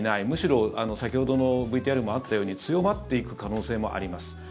むしろ、先ほどのＶＴＲにもあったように強まっていく可能性もあります。